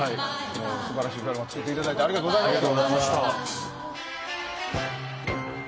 素晴らしいものを作っていただきありがとうございました。